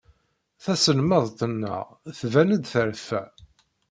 Taselmadt-nneɣ tban-d terfa.